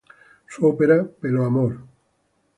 Su ópera "Pelo amor!